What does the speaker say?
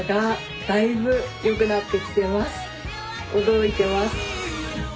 驚いてます。